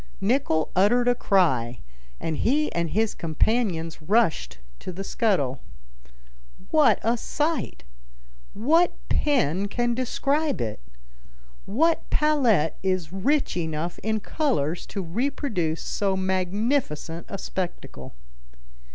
Nicholl uttered a cry, and he and his companions rushed to the scuttle. What a sight! What pen can describe it? What palette is rich enough in colors to reproduce so magnificent a spectacle?